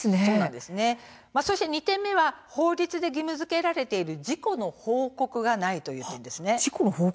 そして２点目は法律で義務づけられている事故の報告がないという点です。